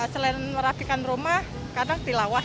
selain merafikan rumah kadang tilawah ya